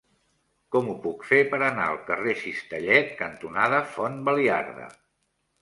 Com ho puc fer per anar al carrer Cistellet cantonada Font Baliarda?